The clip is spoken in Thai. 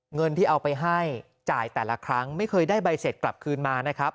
เงินที่เอาไปให้จ่ายแต่ละครั้งไม่เคยได้ใบเสร็จกลับคืนมานะครับ